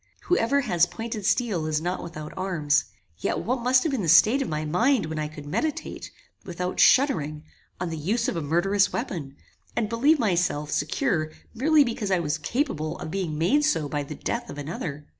Whoever has pointed steel is not without arms; yet what must have been the state of my mind when I could meditate, without shuddering, on the use of a murderous weapon, and believe myself secure merely because I was capable of being made so by the death of another?